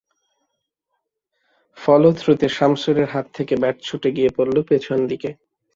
Follow থ্রুতে শামসুরের হাত থেকে ব্যাট ছুটে গিয়ে পড়ল পেছনে দিকে।